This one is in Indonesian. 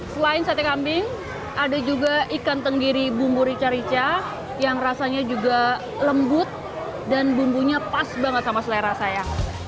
selain sate kambing ada juga ikan tenggiri bumbu rica rica yang rasanya juga lembut dan bumbunya pas banget sama selera saya